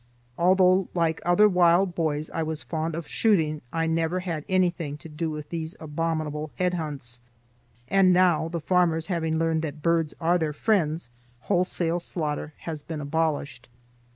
Although, like other wild boys, I was fond of shooting, I never had anything to do with these abominable head hunts. And now the farmers having learned that birds are their friends wholesale slaughter has been abolished.